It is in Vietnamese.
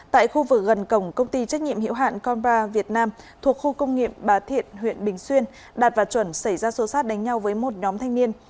tại khu vực gần cổng công ty trách nhiệm hiệu hạn conpa việt nam thuộc khu công nghiệp bà thiện huyện bình xuyên đạt và chuẩn xảy ra xô xát đánh nhau với một nhóm thanh niên